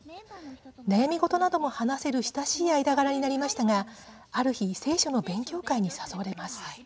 悩み事なども話せる親しい間柄になりましたがある日、聖書の勉強会に誘われます。